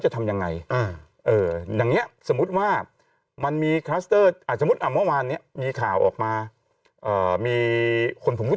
จะทำยังไงอย่างนี้สมมุติว่ามันมีคาวออกมามีคนผมรู้